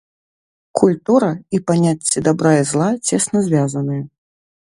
Культура і паняцці дабра і зла цесна звязаныя.